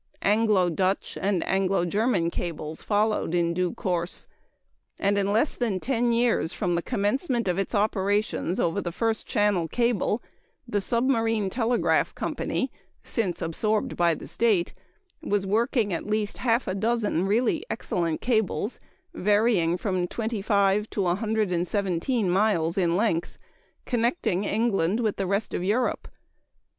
Anglo Dutch and Anglo German cables followed in due course; and in less than ten years from the commencement of its operations over the first Channel cable, the Submarine Telegraph Company (since absorbed by the state) was working at least half a dozen really excellent cables, varying from 25 to 117 miles in length, connecting England with the rest of Europe.